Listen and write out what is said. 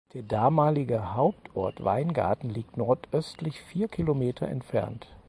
Der damalige Hauptort Weingarten liegt nordöstlich vier Kilometer entfernt.